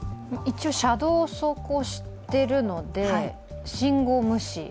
車道を走行しているので、信号無視？